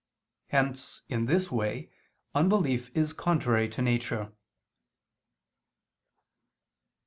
Hence, in this way, unbelief is contrary to nature.